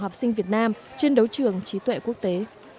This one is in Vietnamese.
học sinh việt nam trên đấu trường trí tuệ quốc tế